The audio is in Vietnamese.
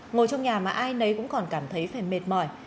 ngồi trong nhà mà ai nấy cũng còn cảm thấy phải mệt mỏi